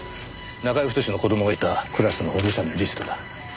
中居太の子供がいたクラスの保護者のリストだ。